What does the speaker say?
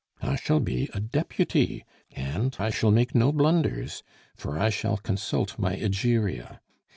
I shall be a Deputy; and I shall make no blunders, for I shall consult my Egeria.